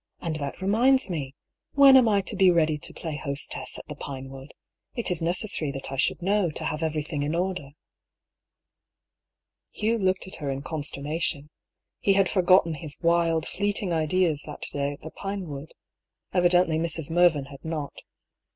And that reminds me. When am I to be ready to play hostess at the Pinewood? It is necessary that I should' know, to have everything in order." Hugh looked at her in consternation. He had for gotten his wild, fleeting ideas that day at the Pinewood. Evidently Mrs. Mervyn had not.